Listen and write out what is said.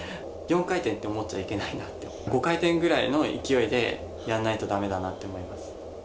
４回転と思っちゃいけないなと思って、５回転ぐらいの勢いでやらないとだめだなと思います。